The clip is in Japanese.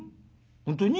本当に？